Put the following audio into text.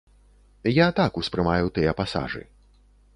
Я так успрымаю тыя пасажы.